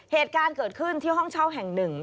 เหตุการณ์เกิดขึ้นที่ห้องเช่าแห่งหนึ่ง